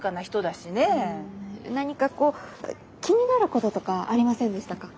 何かこう気になることとかありませんでしたか？